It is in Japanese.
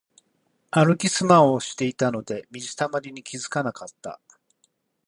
歩きスマホをしていたので水たまりに気づけなかった。